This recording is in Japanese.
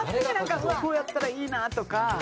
なんかこうやったらいいなとか。